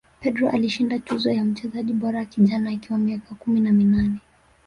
pedro alishinda tuzo ya mchezaji bora kijana akiwa miaka kumi na minane